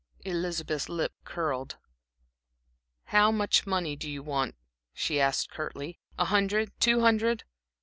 Elizabeth's lip curled. "How much money do you want?" she asked, curtly. "A hundred? Two hundred?"